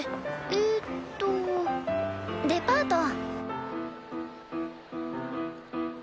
えっとデパート。